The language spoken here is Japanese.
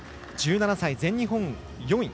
１７歳、全日本４位。